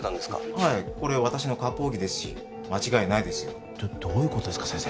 はいこれ私の割烹着ですし間違いないですよどういうことですか先生